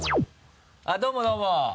あっどうもどうも。